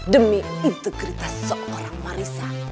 demi integritas seorang marissa